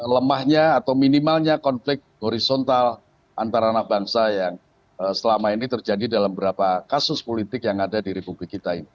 lemahnya atau minimalnya konflik horizontal antara anak bangsa yang selama ini terjadi dalam beberapa kasus politik yang ada di republik kita ini